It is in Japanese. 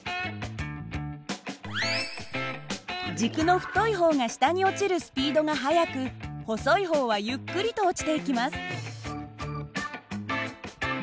軸の太い方が下に落ちるスピードが速く細い方はゆっくりと落ちていきます。